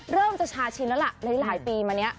เริ่มจะชาชินแล้วล่ะหลายปีมานี้